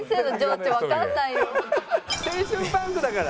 青春パンクだから。